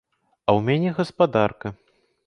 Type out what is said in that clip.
А ў мяне гаспадарка!